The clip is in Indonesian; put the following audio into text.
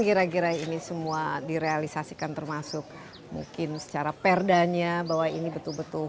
kira kira ini semua direalisasikan termasuk mungkin secara perdanya bahwa ini betul betul